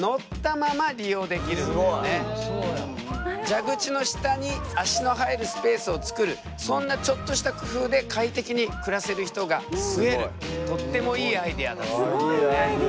蛇口の下に足の入るスペースを作るそんなちょっとした工夫で快適に暮らせる人が増えるとってもいいアイデアだと思うよね。